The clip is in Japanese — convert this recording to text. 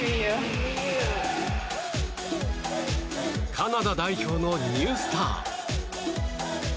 カナダ代表のニュースター。